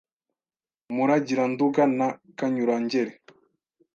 Muragiranduga na Kanyurangeri